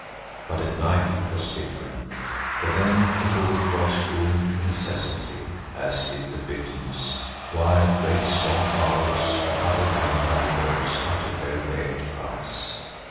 But at night it was different, for then the bull frogs boomed incessantly, as did the bitterns, while great swamp owls and other night flying birds uttered their weird cries.